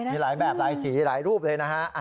มีหลายแบบหลายสีหลายรูปเลยนะฮะ